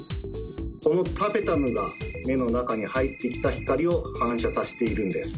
このタペタムが目の中に入ってきた光を反射させているんです。